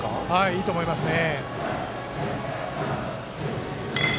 いいと思いますね。